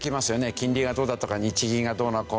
金利がどうだとか日銀がどうのこうの。